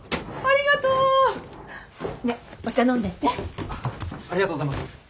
ありがとうございます。